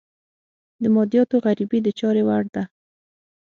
د مادیاتو غريبي د چارې وړ ده.